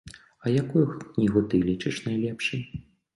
А якую кнігу ты лічыш найлепшай?